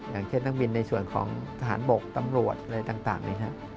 อย่างเช่นนักบินในส่วนของทหารบกตำรวจอะไรต่างนะครับ